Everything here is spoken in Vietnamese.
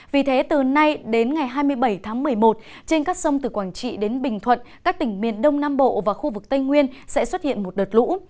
vì thế từ nay đến ngày hai mươi bảy tháng một mươi một trên các sông từ quảng trị đến bình thuận các tỉnh miền đông nam bộ và khu vực tây nguyên sẽ xuất hiện một đợt lũ